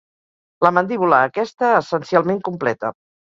La mandíbula aquesta essencialment completa.